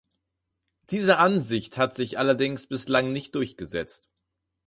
Diese Ansicht hat sich allerdings bislang nicht durchgesetzt.